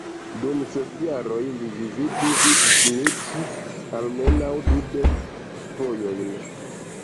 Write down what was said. Dum ses jaroj li vizitis Smith almenaŭ dudek fojojn.